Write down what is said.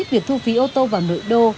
việc thu phí ô tô vào nội đô